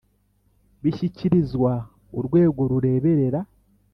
Bishyikirizwa urwego rureberera